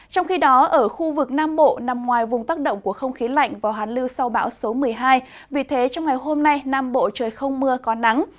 trong khi đó ở khu vực nam bộ nằm ngoài vùng tác động của không khí lạnh và hàn lưu sau bão số một mươi hai vì thế trong ngày hôm nay nam bộ trời không mưa có nắng